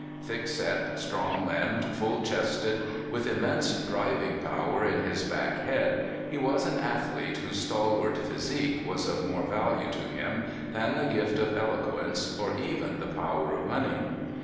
Thick set, strong limbed, full chested, with immense driving power in his back head, he was an athlete whose stalwart physique was of more value to him than the gift of elo quence, or even the power of money.